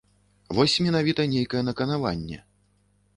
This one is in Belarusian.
Вось менавіта нейкае наканаванне.